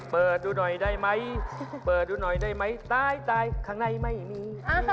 เปิดดูหน่อยได้ไหมเปิดดูหน่อยได้ไหมตายตายข้างในไม่มี